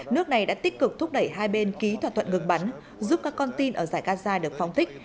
nước này đã tích cực thúc đẩy hai bên ký thỏa thuận ngừng bắn giúp các con tin ở giải gaza được phóng thích